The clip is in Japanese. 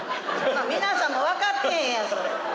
皆さんも分かってへんやん。